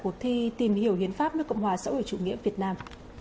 cuộc thi tìm hiểu hiến pháp nước cộng hòa xã hội chủ nghĩa việt nam